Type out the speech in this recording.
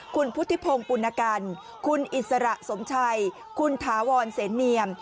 คุณพุทธิพงศ์ปุณกันคุณอิสระสมชัยคุณถาวรเสนเนียม